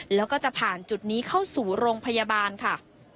แล้วก็จะผ่านจุดนี้เข้าสู่โรงพยาบาลค่ะ